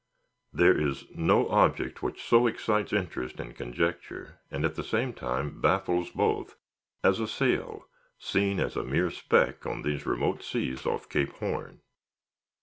There is no object which so excites interest and conjecture, and, at the same time, baffles both, as a sail, seen as a mere speck on these remote seas off Cape Horn.